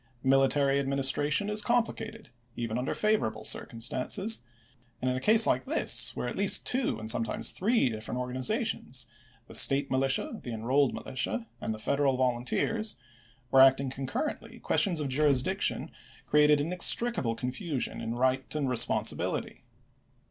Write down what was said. Military administration is complicated, even under favorable circumstances, and in a case like this, where at least two, and sometimes three, different organi2;ations, — the State Militia, the En rolled Militia, and the Federal Volunteers, — were acting concurrently, questions of jurisdiction cre ated inextricable confusion in right and responsi bility.